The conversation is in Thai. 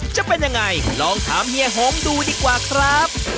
จะเป็นยังไงลองถามเฮียหงดูดีกว่าครับ